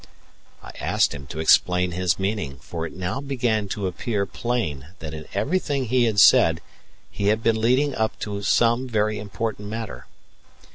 I asked him to explain his meaning; for it now began to appear plain that in everything he had said he had been leading up to some very important matter.